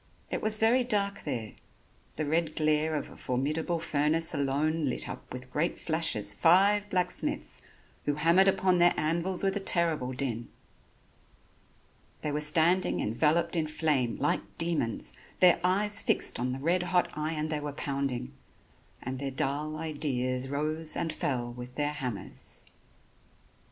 It was very dark there, the red glare of a formidable furnace alone lit up with great flashes five blacksmiths, who hammered upon their anvils with a terrible din. They were standing enveloped in flame, like demons, their eyes fixed on the red hot iron they were pounding; and their dull ideas rose and fell with their hammers.